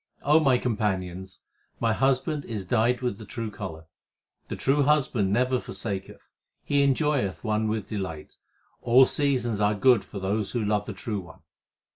my companions, my Husband is dyed with the true colour. The true Husband never forsaketh ; He enjoyeth one with delight. All seasons are good for those who love the True One.